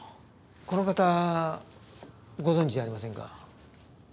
この方ご存じありませんか？